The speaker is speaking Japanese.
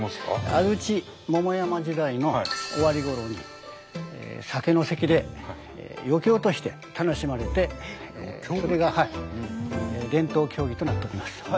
安土桃山時代の終わりごろに酒の席で余興として楽しまれてそれが伝統競技となっております。